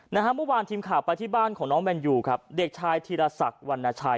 เมื่อวานทีมข่าวไปที่บ้านของน้องแมนยูครับเด็กชายธีรศักดิ์วรรณชัย